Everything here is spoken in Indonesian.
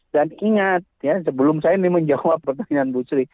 dan ingat ya sebelum saya menjawab pertanyaan bu sri